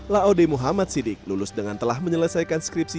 laode muhammad sidik lulus dengan telah menyelesaikan skripsi